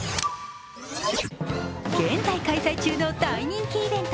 現在開催中の大人気イベント